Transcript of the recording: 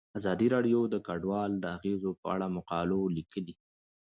ازادي راډیو د کډوال د اغیزو په اړه مقالو لیکلي.